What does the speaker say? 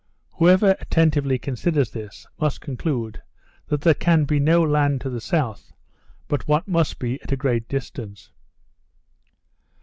Whoever attentively considers this, must conclude, that there can be no land to the south, but what must be at a great distance.